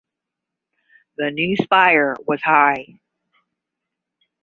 The new spire was high.